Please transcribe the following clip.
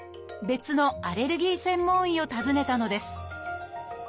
別のアレルギー専門医を訪ねたのです